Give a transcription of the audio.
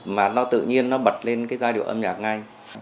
mà nó tự nhiên bật lên giai điệu âm nhạc ngay